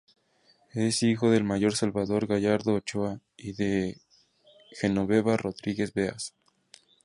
Es hijo del mayor Salvador Gallardo Ochoa y de Genoveva Rodríguez Beas.